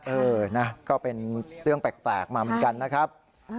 เออนะก็เป็นเรื่องแปลกมาเหมือนกันนะครับ